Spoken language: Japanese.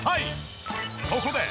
そこで。